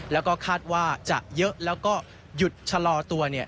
แล้วก็คาดว่าจะเยอะแล้วก็หยุดชะลอตัว